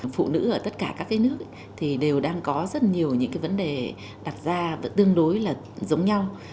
phụ nữ ở tất cả các nước thì đều đang có rất nhiều những cái vấn đề đặt ra và tương đối là giống nhau